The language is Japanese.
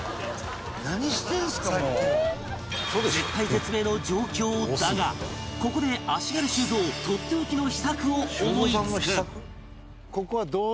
絶体絶命の状況だがここで足軽修造とっておきの秘策を思いつく